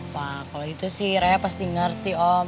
wah kalo gitu sih raya pasti ngerti om